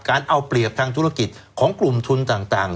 เอาเปรียบทางธุรกิจของกลุ่มทุนต่าง